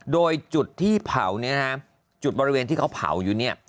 โดยจุดที่เผาเนี่ยนะฮะจุดบริเวณที่เขาเผาอยู่เนี่ย